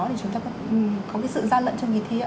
thì chúng ta có cái sự ra lận trong kỳ thi ạ